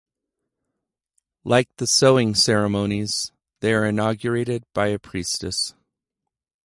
Like the sowing ceremonies, they are inaugurated by a priestess.